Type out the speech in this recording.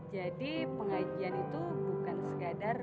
jadi pengajian itu bukan sekadar